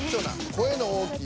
「声の大きい」